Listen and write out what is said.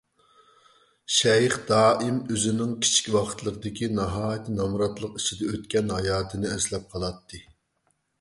شەيخ دائىم ئۆزىنىڭ كىچىك ۋاقىتلىرىدىكى ناھايىتى نامراتلىق ئىچىدە ئۆتكەن ھاياتىنى ئەسلەپ قالاتتى.